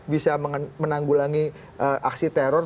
bisa menanggulangi aksi teror